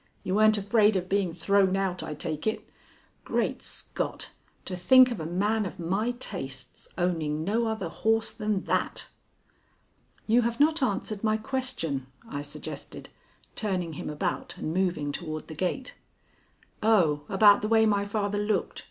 You weren't afraid of being thrown out, I take it. Great Scott, to think of a man of my tastes owning no other horse than that!" "You have not answered my question," I suggested, turning him about and moving toward the gate. "Oh, about the way my father looked!